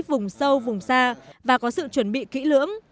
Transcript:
vùng sâu vùng xa và có sự chuẩn bị kỹ lưỡng